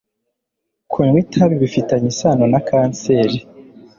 Kunywa itabi bifitanye isano na kanseri